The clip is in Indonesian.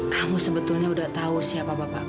kamu sebetulnya udah tahu siapa bapak